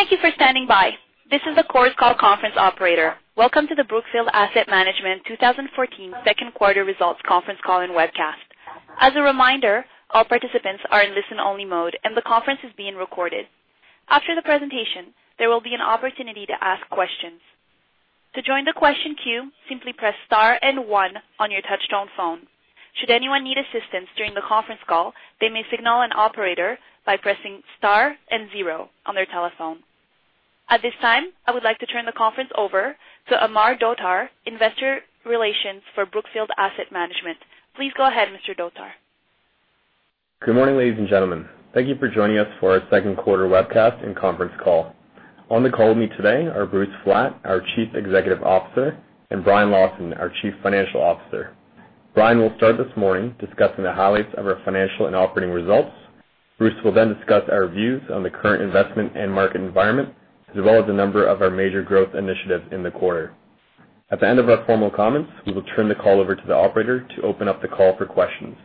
Thank you for standing by. This is the Chorus Call conference operator. Welcome to the Brookfield Asset Management 2014 second quarter results conference call and webcast. As a reminder, all participants are in listen-only mode, and the conference is being recorded. After the presentation, there will be an opportunity to ask questions. To join the question queue, simply press star and one on your touch-tone phone. Should anyone need assistance during the conference call, they may signal an operator by pressing star and zero on their telephone. At this time, I would like to turn the conference over to Amar Dhotar, Investor Relations for Brookfield Asset Management. Please go ahead, Mr. Dhotar. Good morning, ladies and gentlemen. Thank you for joining us for our second quarter webcast and conference call. On the call with me today are Bruce Flatt, our Chief Executive Officer, and Brian Lawson, our Chief Financial Officer. Brian will start this morning discussing the highlights of our financial and operating results. Bruce will then discuss our views on the current investment and market environment, as well as a number of our major growth initiatives in the quarter. At the end of our formal comments, we will turn the call over to the operator to open up the call for questions.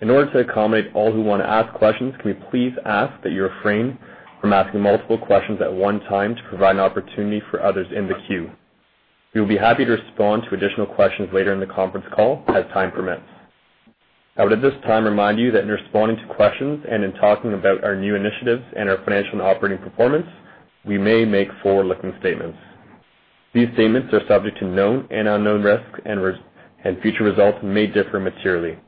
In order to accommodate all who want to ask questions, can we please ask that you refrain from asking multiple questions at one time to provide an opportunity for others in the queue. We will be happy to respond to additional questions later in the conference call as time permits. I would at this time remind you that in responding to questions and in talking about our new initiatives and our financial and operating performance, we may make forward-looking statements. These statements are subject to known and unknown risks, and future results may differ materially.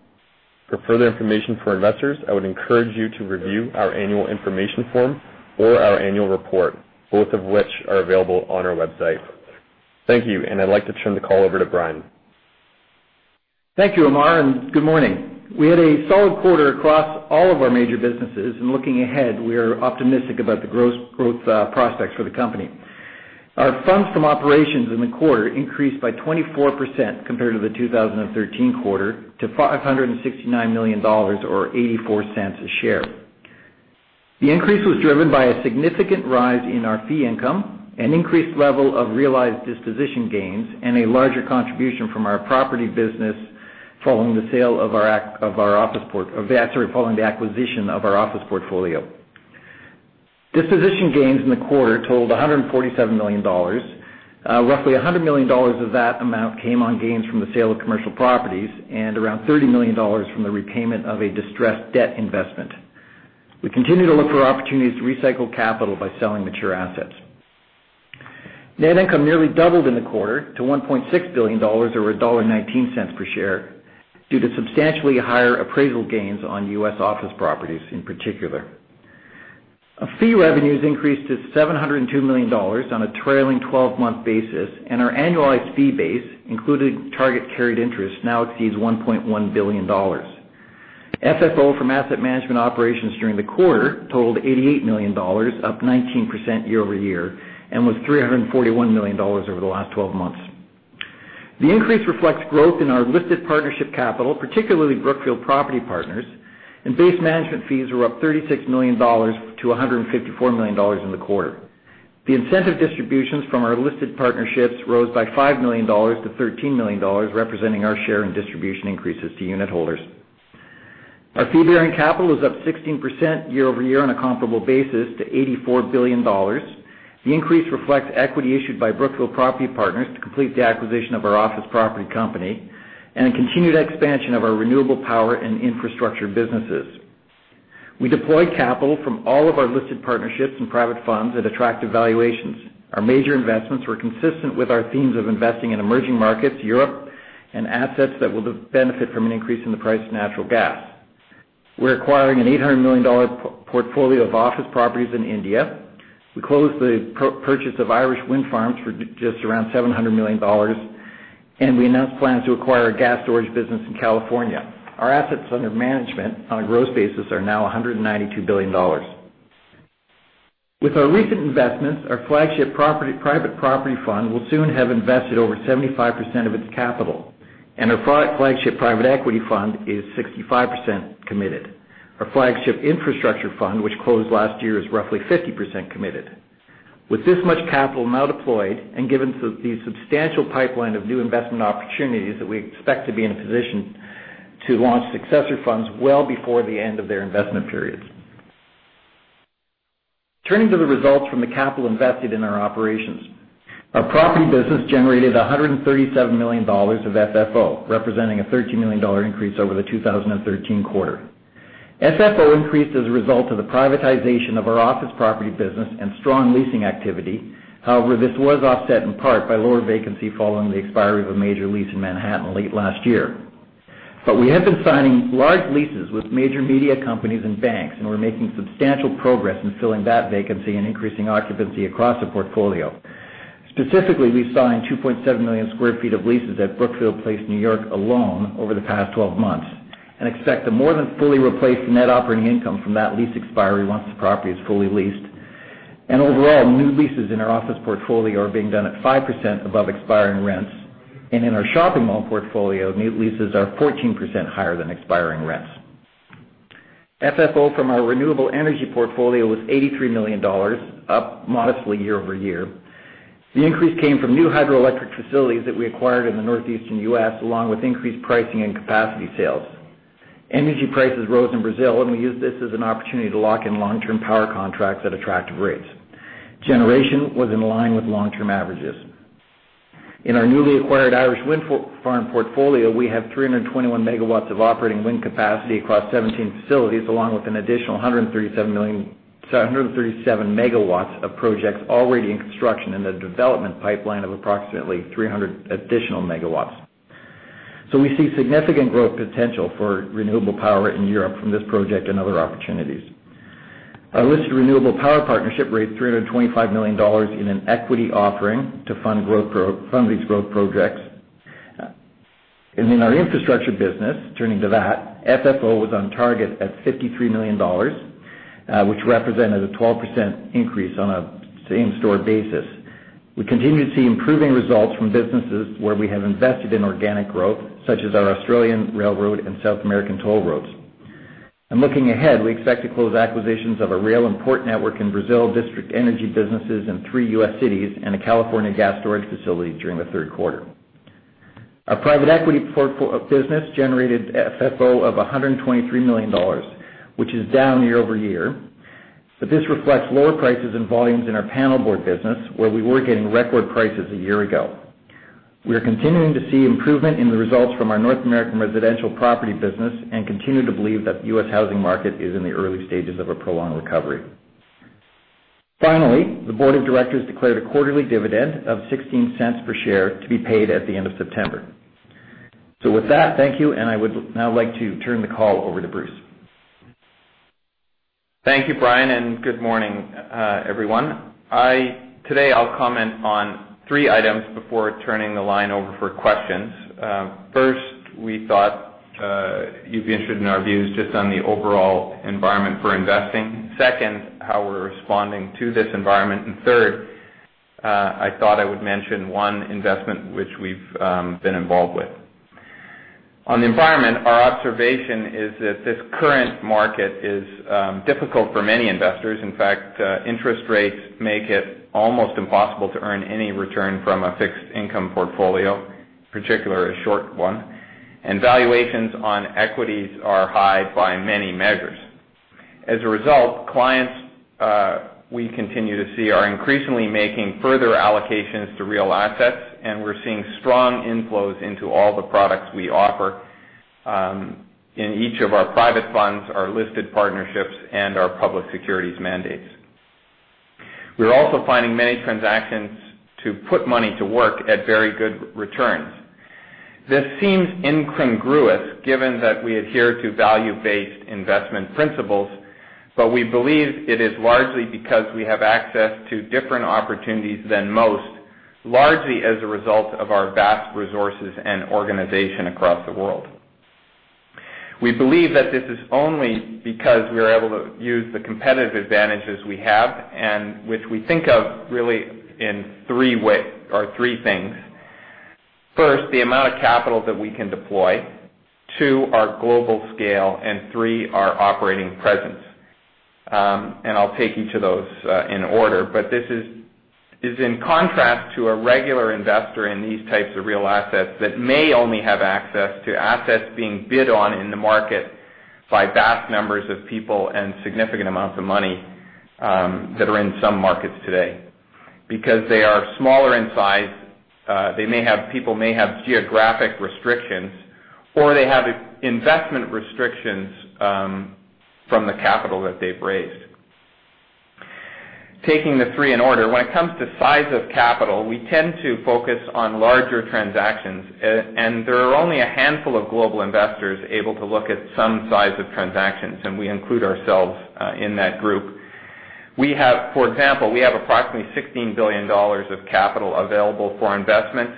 For further information for investors, I would encourage you to review our annual information form or our annual report, both of which are available on our website. Thank you, and I'd like to turn the call over to Brian. Thank you, Amar, and good morning. We had a solid quarter across all of our major businesses. Looking ahead, we are optimistic about the growth prospects for the company. Our funds from operations in the quarter increased by 24% compared to the 2013 quarter to $569 million or $0.84 a share. The increase was driven by a significant rise in our fee income, an increased level of realized disposition gains, and a larger contribution from our property business following the acquisition of our office portfolio. Disposition gains in the quarter totaled $147 million. Roughly $100 million of that amount came on gains from the sale of commercial properties and around $30 million from the repayment of a distressed debt investment. We continue to look for opportunities to recycle capital by selling mature assets. Net income nearly doubled in the quarter to $1.6 billion or $1.19 per share due to substantially higher appraisal gains on U.S. office properties in particular. Our fee revenues increased to $702 million on a trailing 12-month basis, and our annualized fee base, including target carried interest, now exceeds $1.1 billion. FFO from asset management operations during the quarter totaled $88 million, up 19% year-over-year, and was $341 million over the last 12 months. The increase reflects growth in our listed partnership capital, particularly Brookfield Property Partners, and base management fees were up $36 million to $154 million in the quarter. The incentive distributions from our listed partnerships rose by $5 million to $13 million, representing our share in distribution increases to unitholders. Our fee-bearing capital is up 16% year-over-year on a comparable basis to $84 billion. The increase reflects equity issued by Brookfield Property Partners to complete the acquisition of our office property company and a continued expansion of our renewable power and infrastructure businesses. We deployed capital from all of our listed partnerships and private funds at attractive valuations. Our major investments were consistent with our themes of investing in emerging markets, Europe, and assets that will benefit from an increase in the price of natural gas. We are acquiring an $800 million portfolio of office properties in India. We closed the purchase of Irish wind farms for just around $700 million, and we announced plans to acquire a gas storage business in California. Our assets under management on a gross basis are now $192 billion. With our recent investments, our flagship private property fund will soon have invested over 75% of its capital, and our flagship private equity fund is 65% committed. Our flagship infrastructure fund, which closed last year, is roughly 50% committed. With this much capital now deployed and given the substantial pipeline of new investment opportunities that we expect to be in a position to launch successor funds well before the end of their investment periods. Turning to the results from the capital invested in our operations. Our property business generated $137 million of FFO, representing a $13 million increase over the 2013 quarter. FFO increased as a result of the privatization of our office property business and strong leasing activity. This was offset in part by lower vacancy following the expiry of a major lease in Manhattan late last year. We have been signing large leases with major media companies and banks, and we are making substantial progress in filling that vacancy and increasing occupancy across the portfolio. Specifically, we signed 2.7 million square feet of leases at Brookfield Place, New York alone over the past 12 months and expect to more than fully replace the net operating income from that lease expiry once the property is fully leased. Overall, new leases in our office portfolio are being done at 5% above expiring rents. In our shopping mall portfolio, new leases are 14% higher than expiring rents. FFO from our renewable energy portfolio was $83 million, up modestly year-over-year. The increase came from new hydroelectric facilities that we acquired in the Northeastern U.S., along with increased pricing and capacity sales. Energy prices rose in Brazil, and we used this as an opportunity to lock in long-term power contracts at attractive rates. Generation was in line with long-term averages. In our newly acquired Irish wind farm portfolio, we have 321 megawatts of operating wind capacity across 17 facilities, along with an additional 137 megawatts of projects already in construction and a development pipeline of approximately 300 additional megawatts. We see significant growth potential for renewable power in Europe from this project and other opportunities. Our listed renewable power partnership raised $325 million in an equity offering to fund these growth projects. In our infrastructure business, turning to that, FFO was on target at $53 million, which represented a 12% increase on a same-store basis. We continue to see improving results from businesses where we have invested in organic growth, such as our Australian railroad and South American toll roads. Looking ahead, we expect to close acquisitions of a rail and port network in Brazil, district energy businesses in three U.S. cities, and a California gas storage facility during the third quarter. Our private equity business generated FFO of $123 million, which is down year-over-year. This reflects lower prices and volumes in our panel board business, where we were getting record prices a year ago. We are continuing to see improvement in the results from our North American residential property business and continue to believe that the U.S. housing market is in the early stages of a prolonged recovery. Finally, the board of directors declared a quarterly dividend of $0.16 per share to be paid at the end of September. With that, thank you, and I would now like to turn the call over to Bruce. Thank you, Brian, and good morning, everyone. Today, I'll comment on three items before turning the line over for questions. First, we thought you'd be interested in our views just on the overall environment for investing. Second, how we're responding to this environment. Third, I thought I would mention one investment which we've been involved with. On the environment, our observation is that this current market is difficult for many investors. In fact, interest rates make it almost impossible to earn any return from a fixed income portfolio, particularly a short one. Valuations on equities are high by many measures. As a result, clients we continue to see are increasingly making further allocations to real assets, and we're seeing strong inflows into all the products we offer in each of our private funds, our listed partnerships, and our public securities mandates. We're also finding many transactions to put money to work at very good returns. This seems incongruous given that we adhere to value-based investment principles, but we believe it is largely because we have access to different opportunities than most, largely as a result of our vast resources and organization across the world. We believe that this is only because we are able to use the competitive advantages we have, which we think of really in three ways or three things. First, the amount of capital that we can deploy. Two, our global scale. Three, our operating presence. I'll take each of those in order. This is in contrast to a regular investor in these types of real assets that may only have access to assets being bid on in the market by vast numbers of people and significant amounts of money that are in some markets today. Because they are smaller in size, people may have geographic restrictions, or they have investment restrictions from the capital that they've raised. Taking the three in order, when it comes to size of capital, we tend to focus on larger transactions. There are only a handful of global investors able to look at some size of transactions, and we include ourselves in that group. For example, we have approximately $16 billion of capital available for investment.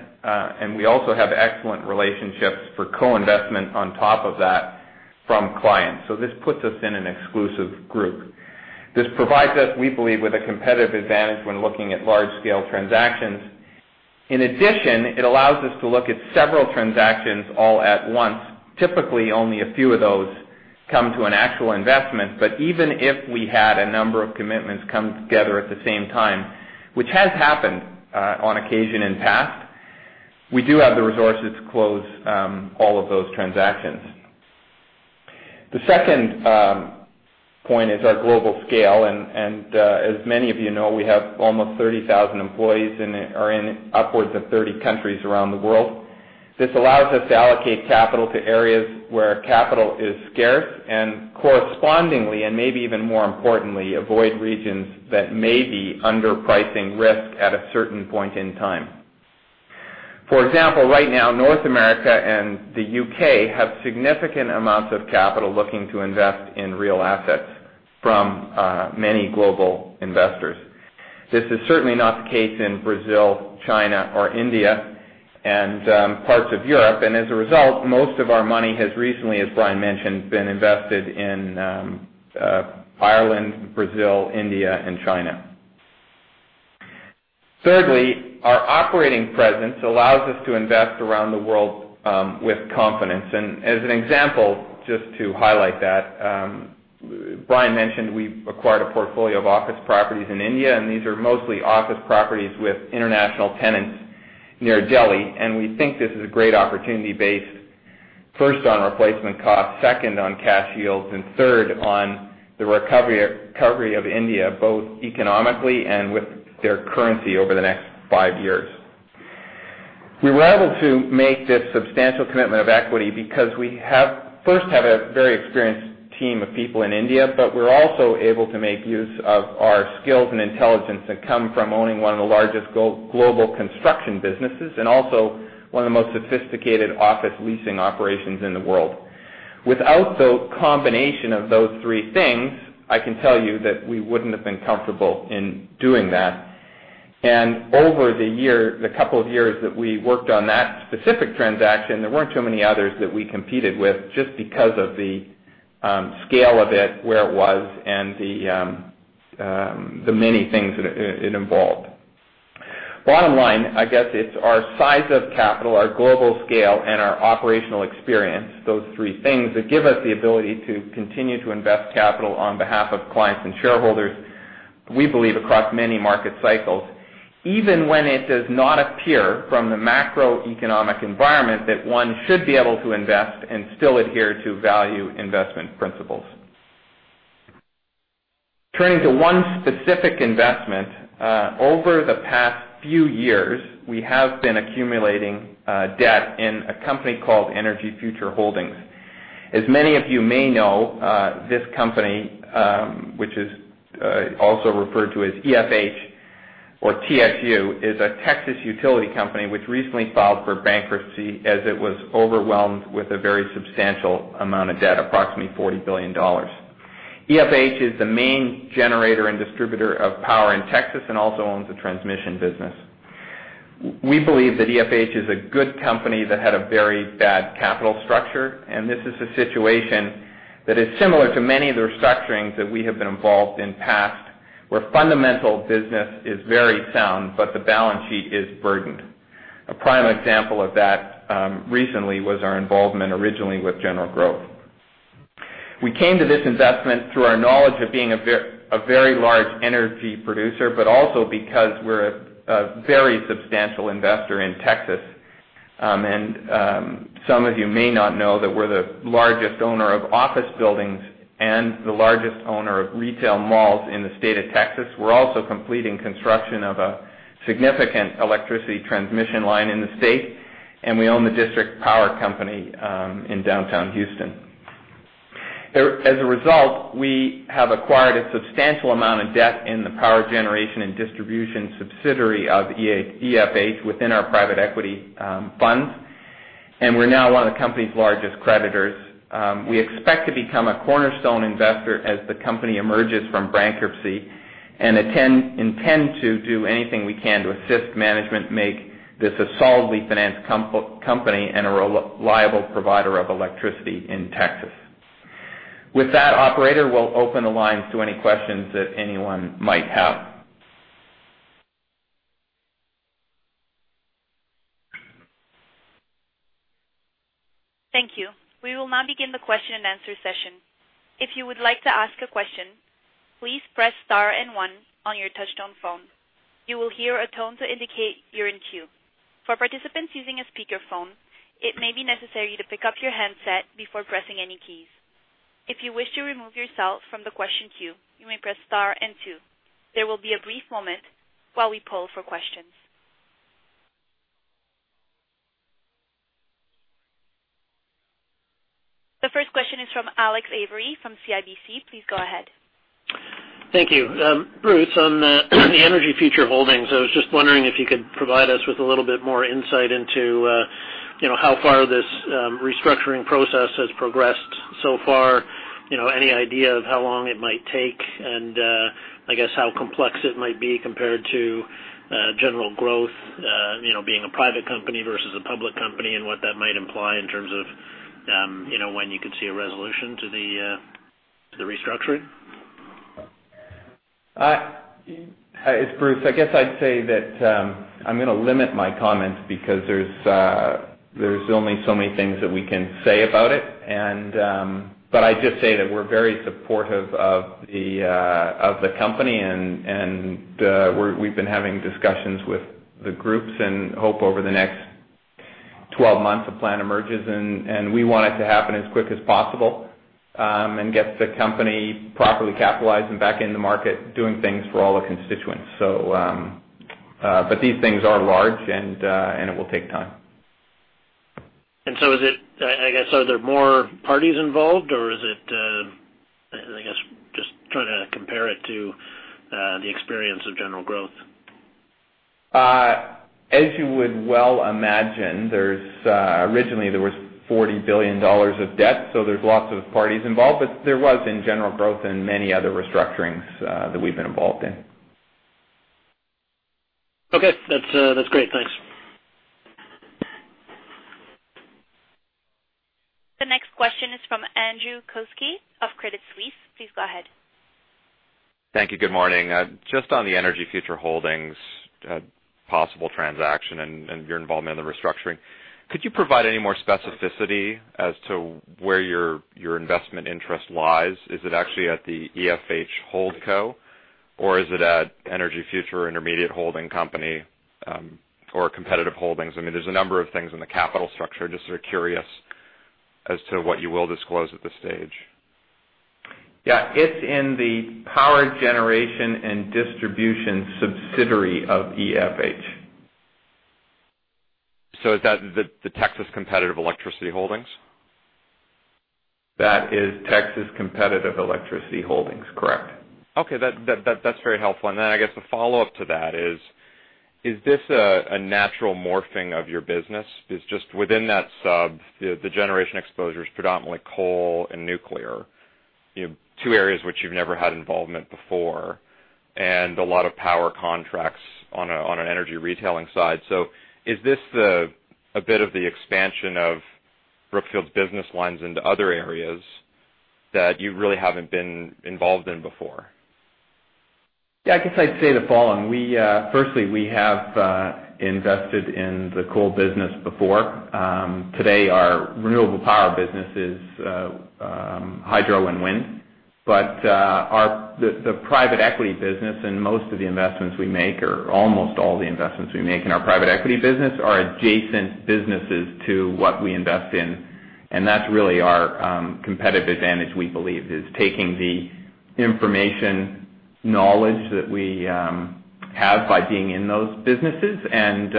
We also have excellent relationships for co-investment on top of that from clients. This puts us in an exclusive group. This provides us, we believe, with a competitive advantage when looking at large-scale transactions. In addition, it allows us to look at several transactions all at once. Typically, only a few of those come to an actual investment. Even if we had a number of commitments come together at the same time, which has happened on occasion in the past, we do have the resources to close all of those transactions. The second point is our global scale. As many of you know, we have almost 30,000 employees and are in upwards of 30 countries around the world. This allows us to allocate capital to areas where capital is scarce and correspondingly, and maybe even more importantly, avoid regions that may be underpricing risk at a certain point in time. For example, right now, North America and the U.K. have significant amounts of capital looking to invest in real assets from many global investors. This is certainly not the case in Brazil, China, or India, and parts of Europe. As a result, most of our money has recently, as Brian mentioned, been invested in Ireland, Brazil, India, and China. Thirdly, our operating presence allows us to invest around the world with confidence. As an example, just to highlight that Brian mentioned we acquired a portfolio of office properties in India, and these are mostly office properties with international tenants near Delhi. We think this is a great opportunity based first on replacement cost, second on cash yields, and third on the recovery of India, both economically and with their currency over the next five years. We were able to make this substantial commitment of equity because we first have a very experienced team of people in India, but we're also able to make use of our skills and intelligence that come from owning one of the largest global construction businesses, and also one of the most sophisticated office leasing operations in the world. Without the combination of those three things, I can tell you that we wouldn't have been comfortable in doing that. Over the couple of years that we worked on that specific transaction, there weren't too many others that we competed with just because of the scale of it, where it was, and the many things it involved. Bottom line, I guess it's our size of capital, our global scale, and our operational experience. Those three things that give us the ability to continue to invest capital on behalf of clients and shareholders, we believe across many market cycles, even when it does not appear from the macroeconomic environment that one should be able to invest and still adhere to value investment principles. Turning to one specific investment. Over the past few years, we have been accumulating debt in a company called Energy Future Holdings. As many of you may know, this company, which is also referred to as EFH or TXU, is a Texas utility company which recently filed for bankruptcy as it was overwhelmed with a very substantial amount of debt, approximately $40 billion. EFH is the main generator and distributor of power in Texas and also owns a transmission business. We believe that EFH is a good company that had a very bad capital structure. This is a situation that is similar to many of the restructurings that we have been involved in the past, where the fundamental business is very sound, but the balance sheet is burdened. A prime example of that recently was our involvement originally with General Growth. We came to this investment through our knowledge of being a very large energy producer, but also because we're a very substantial investor in Texas. Some of you may not know that we're the largest owner of office buildings and the largest owner of retail malls in the state of Texas. We're also completing construction of a significant electricity transmission line in the state, and we own the district power company in downtown Houston. As a result, we have acquired a substantial amount of debt in the power generation and distribution subsidiary of EFH within our private equity funds. We're now one of the company's largest creditors. We expect to become a cornerstone investor as the company emerges from bankruptcy and we intend to do anything we can to assist management make this a solidly financed company and a reliable provider of electricity in Texas. With that, operator, we'll open the lines to any questions that anyone might have. Thank you. We will now begin the question and answer session. If you would like to ask a question, please press star and one on your touchtone phone. You will hear a tone to indicate you're in queue. For participants using a speakerphone, it may be necessary to pick up your handset before pressing any keys. If you wish to remove yourself from the question queue, you may press star and two. There will be a brief moment while we poll for questions. The first question is from Alex Avery from CIBC. Please go ahead. Thank you. Bruce, on the Energy Future Holdings, I was just wondering if you could provide us with a little bit more insight into how far this restructuring process has progressed so far. Any idea of how long it might take and, I guess, how complex it might be compared to General Growth, being a private company versus a public company, and what that might imply in terms of when you could see a resolution to the restructuring. It's Bruce. I guess I'd say that I'm going to limit my comments because there's only so many things that we can say about it. I'd just say that we're very supportive of the company, and we've been having discussions with the groups and hope over the next 12 months a plan emerges. We want it to happen as quickly as possible and get the company properly capitalized and back in the market, doing things for all the constituents. These things are large, and it will take time. Is it, I guess, are there more parties involved, or is it, I guess, just trying to compare it to the experience of General Growth? As you would well imagine, originally there was $40 billion of debt, so there's lots of parties involved. There was in General Growth and many other restructurings that we've been involved in. Okay. That's great. Thanks. The next question is from Andrew Kuske of Credit Suisse. Please go ahead. Thank you. Good morning. Just on the Energy Future Holdings possible transaction and your involvement in the restructuring, could you provide any more specificity as to where your investment interest lies? Is it actually at the EFH Holdco, or is it at Energy Future Intermediate Holding Company, or Competitive Holdings? I mean, there is a number of things in the capital structure. Just sort of curious as to what you will disclose at this stage. Yeah. It is in the power generation and distribution subsidiary of EFH. Is that the Texas Competitive Electric Holdings? That is Texas Competitive Electric Holdings, correct. Okay. That's very helpful. Then, I guess the follow-up to that is: Is this a natural morphing of your business? Because just within that sub, the generation exposure is predominantly coal and nuclear. Two areas which you've never had involvement before, and a lot of power contracts on an energy retailing side. Is this a bit of the expansion of Brookfield's business lines into other areas that you really haven't been involved in before? Yeah, I guess I'd say the following. Firstly, we have invested in the coal business before. Today, our renewable power business is hydro and wind, the private equity business and most of the investments we make, or almost all the investments we make in our private equity business, are adjacent businesses to what we invest in. That's really our competitive advantage, we believe, is taking the information, knowledge that we have by being in those businesses, and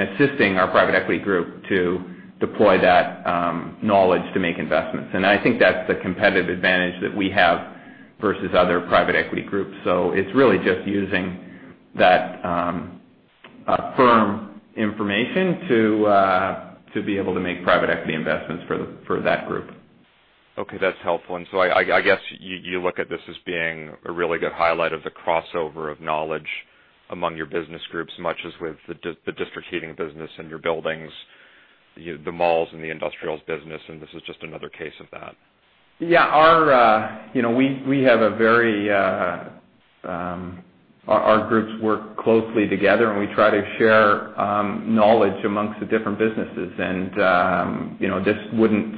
assisting our private equity group to deploy that knowledge to make investments. I think that's the competitive advantage that we have versus other private equity groups. It's really just using that firm information to be able to make private equity investments for that group. Okay, that's helpful. I guess you look at this as being a really good highlight of the crossover of knowledge among your business groups, much as with the district heating business and your buildings, the malls, and the industrials business, and this is just another case of that. Yeah. Our groups work closely together, and we try to share knowledge amongst the different businesses. This wouldn't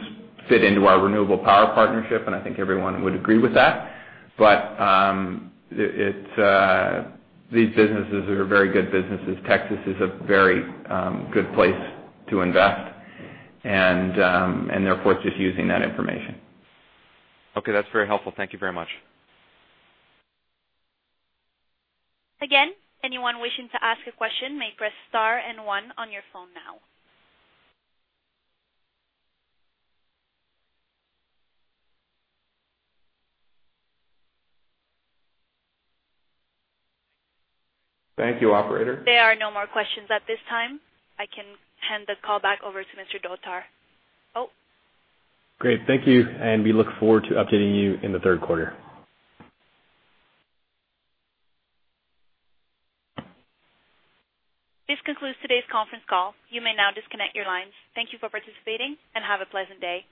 fit into our renewable power partnership, and I think everyone would agree with that. These businesses are very good businesses. Texas is a very good place to invest, and therefore, it's just using that information. Okay, that's very helpful. Thank you very much. Again, anyone wishing to ask a question may press star and one on your phone now. Thank you, operator. There are no more questions at this time. I can hand the call back over to Mr. Dhotar. Oh. Great. Thank you, we look forward to updating you in the third quarter. This concludes today's conference call. You may now disconnect your lines. Thank you for participating and have a pleasant day.